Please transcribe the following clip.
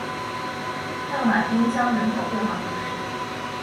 圣马丁乡人口变化图示